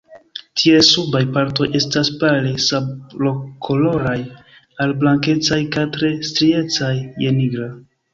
Ties subaj partoj estas pale sablokoloraj al blankecaj kaj tre striecaj je nigra.